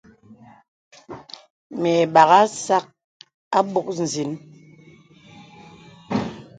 Mə ìbàghā sàk àbok zìnə.